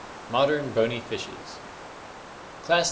Modern bon/ fishes. Class III.